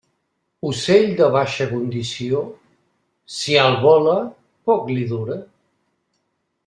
Ocell de baixa condició, si alt vola, poc li dura.